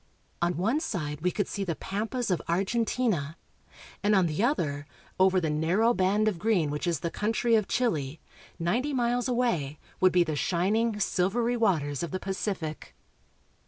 On one side we could see the pampas of Argentina, and on the other, over the narrow band of green which is the country of Chile, ninety miles away, would be the shining, silvery waters of the Pacific.